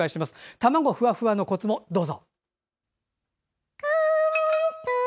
卵ふわふわのコツも、どうぞ！